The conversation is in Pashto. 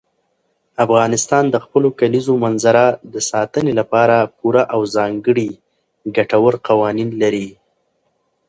افغانستان د خپلو کلیزو منظره د ساتنې لپاره پوره او ځانګړي ګټور قوانین لري.